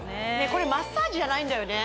これマッサージやないんだよね